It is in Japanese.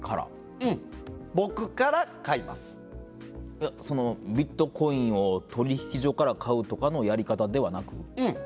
いや、その、ビットコインを取引所から買うとかのやり方ではなく？